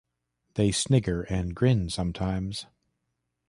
They snigger and grin sometimes.